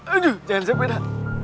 aduh jangan sepeda